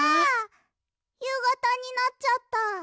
ゆうがたになっちゃった。